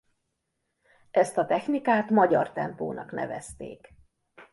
Ezt a technikát magyar tempónak nevezték.